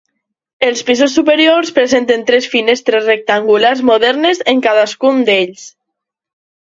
Els pisos superiors presenten tres finestres rectangulars modernes en cadascun d'ells.